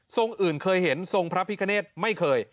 อื่นเคยเห็นทรงพระพิคเนธไม่เคย